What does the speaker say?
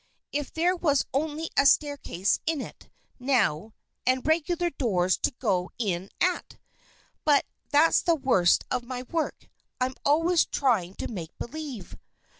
If there was only a staircase in it, now, and regular doors to go in at! But that's the worst of my work, I'm always trying to make believe!"